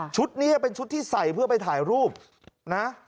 นี้เป็นชุดที่ใส่เพื่อไปถ่ายรูปนะ